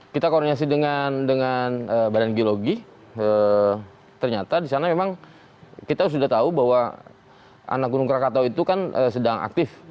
kita koordinasi dengan badan geologi ternyata di sana memang kita sudah tahu bahwa anak gunung krakatau itu kan sedang aktif